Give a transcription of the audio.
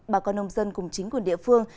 bà con nông dân cùng chính quyền địa phương